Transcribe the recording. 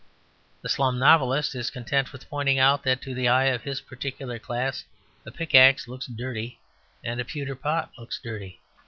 The slum novelist is content with pointing out that to the eye of his particular class a pickaxe looks dirty and a pewter pot looks dirty.